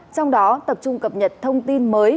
trong đó tập trung cập nhật thông tin mới